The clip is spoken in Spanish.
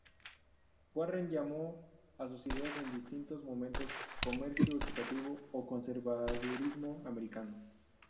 Warren llamó a sus ideas en distintos momentos "comercio equitativo" o "conservadurismo americano".